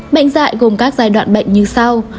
bệnh dại gồm các giai đoạn bệnh như sau